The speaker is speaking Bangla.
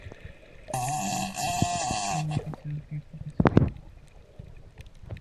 তবুও, কিছু টি কোষের বিকাশ প্রাপ্তবয়স্ক জীবন জুড়ে অব্যাহত থাকে।